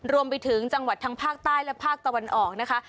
รวมไปถึงจังหวัดทั้งภาคใต้และภาคตะวันออกนะคะ